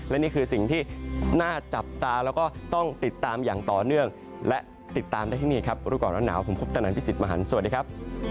และติดตามได้ที่นี้ครับบุรุกรณะหนาวผมพบตนันพิสิทธิ์มหันต์สวัสดีครับ